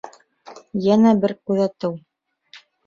Йәнә бер күҙәтеү.